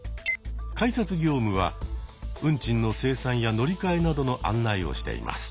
改札業務は運賃の精算や乗り換えなどの案内をしています。